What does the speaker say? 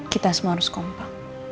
kita semua harus kompak